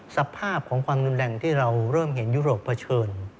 สภาพของความรุนแรงที่เราเริ่มเห็นยุโรปเผชิญ